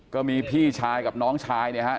ก็มีพี่ชายกับน้องชายเนี่ยฮะ